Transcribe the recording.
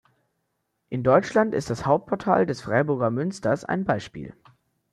In Deutschland ist das Hauptportal des Freiburger Münsters ein Beispiel.